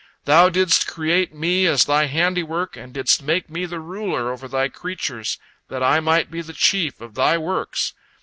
Thou didst create me as Thy handiwork, and didst make me the ruler over Thy creatures, that I might be the chief of Thy works.